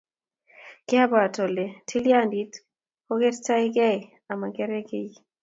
Kiabwaat ole tilyandit koketoretgei ama kekerkeit.